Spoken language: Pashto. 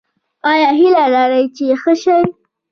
ایا هیله لرئ چې ښه شئ؟